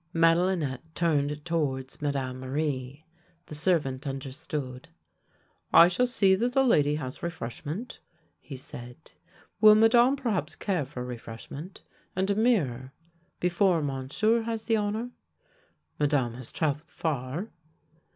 Madelinette turned towards Madame Marie. The servant understood. " I shall see that the lady has refreshment," he said. " Will Madame perhaps care for refreshment — and a THE LANE THAT HAD NO TURNING 59 mirror, before Monsieur has the honour? Madame has travelled far."